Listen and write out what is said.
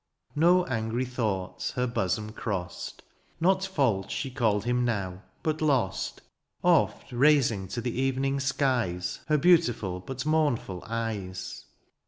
No angry thoughts her bosom crossed ; Not false she called him now, but lost. Oft raising to the evening skies Her beautiful but mournful eyes.